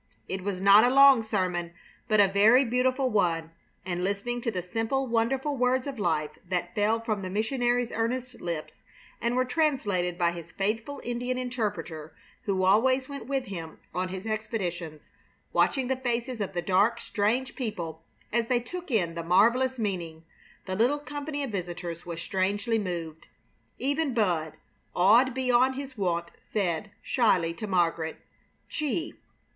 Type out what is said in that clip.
It was not a long sermon, but a very beautiful one; and, listening to the simple, wonderful words of life that fell from the missionary's earnest lips and were translated by his faithful Indian interpreter, who always went with him on his expeditions, watching the faces of the dark, strange people as they took in the marvelous meaning, the little company of visitors was strangely moved. Even Bud, awed beyond his wont, said, shyly, to Margaret: "Gee!